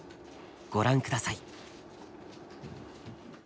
ご覧下さい。